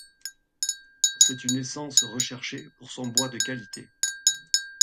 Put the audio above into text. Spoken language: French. C'est une essence recherchée pour son bois de qualité.